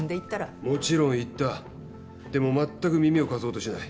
もちろん言ったでも全く耳を貸そうとしない。